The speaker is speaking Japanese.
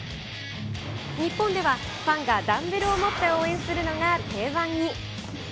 日本ではファンがダンベルを持って応援するのが定番に。